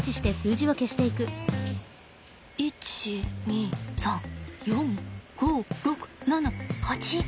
１２３４５６７８。